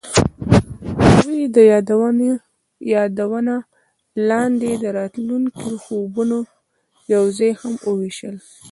هغوی د یادونه لاندې د راتلونکي خوبونه یوځای هم وویشل.